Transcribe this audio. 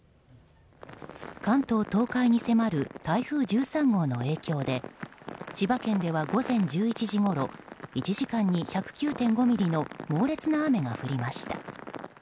関東・東海に迫る台風１３号の影響で千葉県では午前１１時ごろ１時間に１０９．５ミリの猛烈な雨が降りました。